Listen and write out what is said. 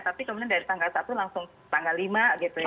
tapi kemudian dari tanggal satu langsung tanggal lima gitu ya